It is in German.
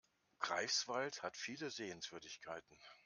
Greifswald hat viele Sehenswürdigkeiten